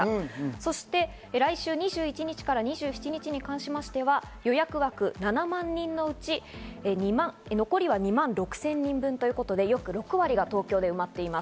そして来週２１日から２７日に関しましては予約枠７万人のうち、残りは２万６０００人分ということで約６割が東京で埋まっています。